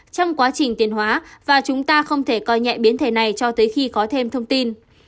trong quá trình tiền hóa và chúng ta không thể coi nhẹ biến thể này cho tới khi có thêm thông tin